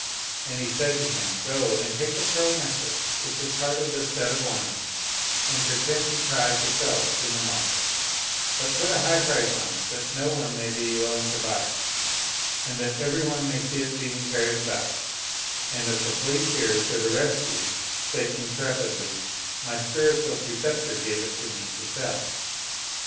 And he said to him, " Go and take the pearl necklace which is part of this set of ornaments, and pretend to try to sell it in the market, but put a high price on it, that no one may be willing to buy it, and that everyone may see it being carried about, and if the police here should arrest you, say intrep idly, " My spiritual preceptor gave it me to sell."